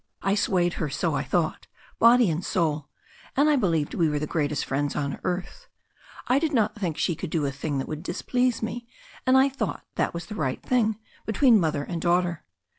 I swayed her, so I thought, body and soul, and I believed we were the g^reatest friends on earth. I did not think she could do a thing that would displease me, and I thought that was the right thing between mother and daugh ter.